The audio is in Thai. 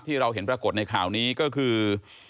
ที่เราเห็นปรากฏในข่าวนี้ก็คือ